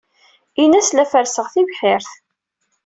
Ini-as la ferrseɣ tibḥirt.